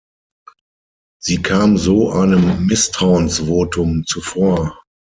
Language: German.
Sie kam so einem Misstrauensvotum zuvor.